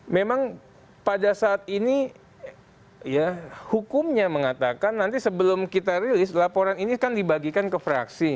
memang pada saat ini ya hukumnya mengatakan nanti sebelum kita rilis laporan ini kan dibagikan ke fraksi